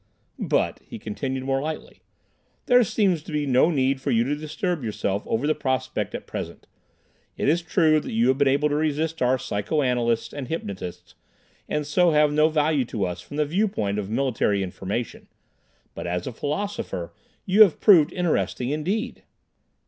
"But," he continued more lightly, "there seems to be no need for you to disturb yourself over the prospect at present. It is true you have been able to resist our psychoanalysts and hypnotists, and so have no value to us from the viewpoint of military information, but as a philosopher, you have proved interesting indeed."